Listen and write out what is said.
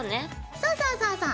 そうそうそうそう。